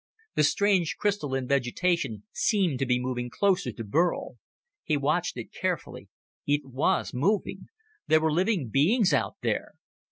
The strange crystalline vegetation seemed to be moving closer to Burl. He watched it carefully. It was moving! There were living beings out there!